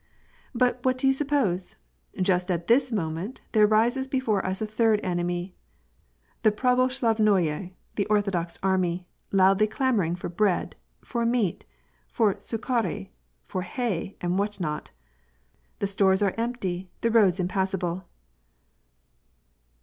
But what do you suppose ? Just at this moment tliere rises l)efore us s third enemy, the ;;raro«facnoye, — the orthodox army, — loudly clamoring for bread, for meat, for mkhari,* for hay, and what not! The stores are empty; the roads impassible.